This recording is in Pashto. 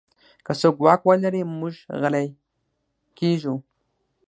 که څوک واک ولري، موږ غلی کېږو.